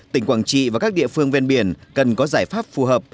tỉnh quảng trị và các địa phương ven biển cần có giải pháp phù hợp